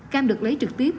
cam được lấy trực tiếp